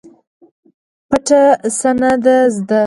پټه پڅه نه ده زده.